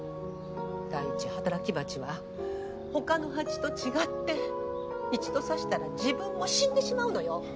第一働き蜂は他の蜂と違って一度刺したら自分も死んでしまうのよ。